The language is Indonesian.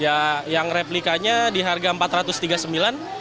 ya yang replikanya di harga rp empat ratus tiga puluh sembilan